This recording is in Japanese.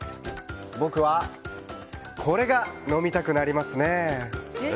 僕はこれが飲みたくなりますね。